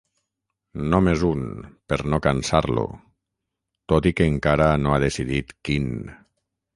Només un, per no cansar-lo, tot i que encara no ha decidit quin.